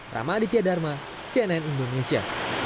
rama aditya dharma cnn indonesia